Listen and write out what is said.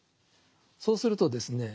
そうするとですね